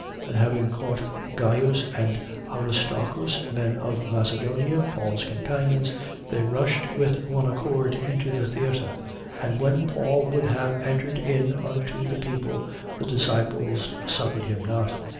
And having caught Gaius and Aristarchus, men of Macedonia, Paul's companions, they rushed with one accord into the theatre. 19:30. And when Paul would have entered in unto the people, the disciples suffered him not.